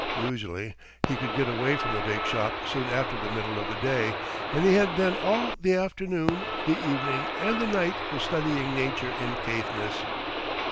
Usually, he could get away from the bake shop soon after the middle of the day, and he had then all the afternoon, the evening, and the night for studying nature in Caithness.